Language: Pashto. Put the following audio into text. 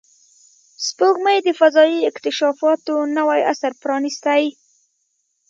سپوږمۍ د فضایي اکتشافاتو نوی عصر پرانستی